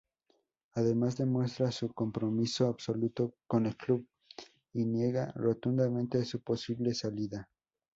Además demuestra su compromiso absoluto con el club y niega rotundamente su posible salida.